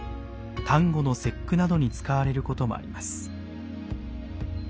端午の節句などに使われることもあります。